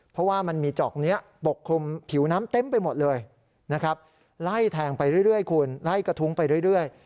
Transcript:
เพราะว่ามันมีจอกนี้ปกคลุมผิวน้ำเต็มไปหมดเลยนะครับไล่แทงไปเรื่อยคุณไล่กระทุ้งไปเรื่อย